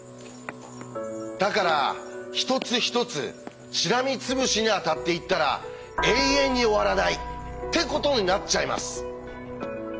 だから一つ一つしらみつぶしに当たっていったら永遠に終わらないってことになっちゃいます。